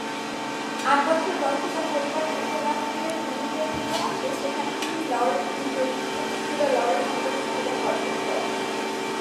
আট বছর বয়সে তার পরিবার যুক্তরাষ্ট্রের নিউ জার্সিতে আসে, যেখানে তিনি লরেন্স ইন্টারমিডিয়েট স্কুল ও লরেন্স মিডল স্কুলে পড়াশোনা করেন।